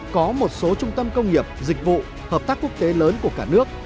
có một số trung tâm công nghiệp dịch vụ hợp tác quốc tế lớn của cả nước